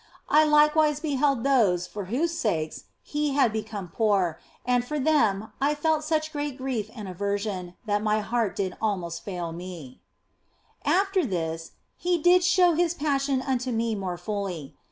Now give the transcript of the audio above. I likewise beheld those for whose sakes He had become poor, and for them I felt such great grief and aversion that my heart did almost fail me. 202 THE BLESSED ANGELA After this, He did show His Passion unto me more fully.